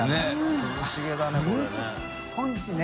涼しげだねこれね。